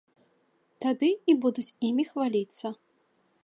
Тады і будуць імі хваліцца.